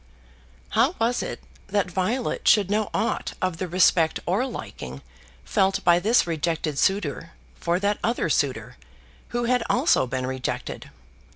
How was it that Violet should know aught of the respect or liking felt by this rejected suitor for that other suitor, who had also been rejected?